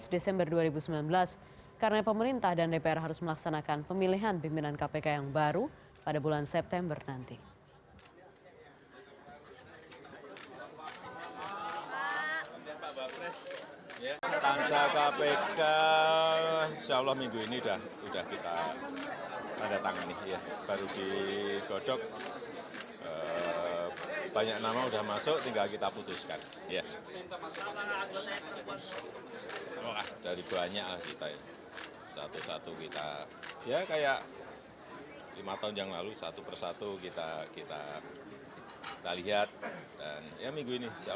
dari akademisi ada dari praktisi ada juga dari pemerintah ada dari ngo gabung gabung